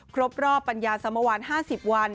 ครบรอบปัญญาสมวัล๕๐วัน